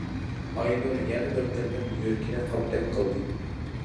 ئاينۇر يەنە بىر قېتىم يۈرىكىنى قاپتەك قىلدى.